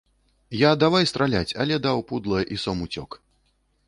Я давай страляць, але даў пудла, і сом уцёк.